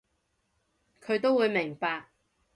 佢都會明白